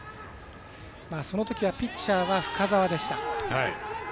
そのときはピッチャーが深沢でした。